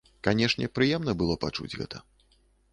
Канешне, прыемна было пачуць гэта.